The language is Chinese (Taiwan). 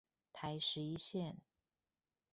台十一線